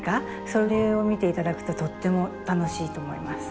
それを見て頂くととっても楽しいと思います。